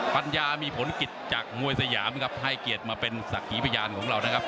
ปัญญามีผลกิจจากมวยสยามครับให้เกียรติมาเป็นสักขีพยานของเรานะครับ